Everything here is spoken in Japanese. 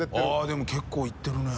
◆舛でも結構いってるね。